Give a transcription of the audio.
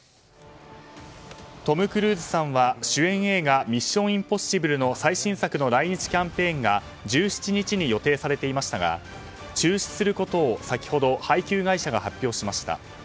トム・クルーズさんは主演映画「ミッション：インポッシブル」の最新作の来日キャンペーンが１７日に予定されていましたが中止することを先ほど、配給会社が発表しました。